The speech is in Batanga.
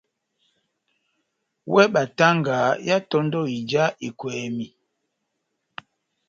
Wɛ batanga yá tondò ija ekwɛmi.